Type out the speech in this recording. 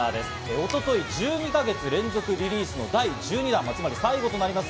一昨日、１２か月連続リリース第１２弾となる、最後となります